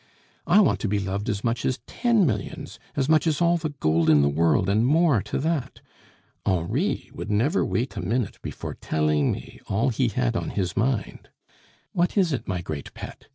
"I want to be loved as much as ten millions, as much as all the gold in the world, and more to that. Henri would never wait a minute before telling me all he had on his mind. What is it, my great pet?